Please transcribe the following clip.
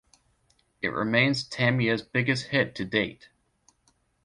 It remains Tamia's biggest hit to date.